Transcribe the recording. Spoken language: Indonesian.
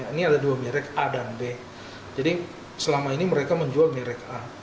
ini ada dua merek a dan b jadi selama ini mereka menjual merek a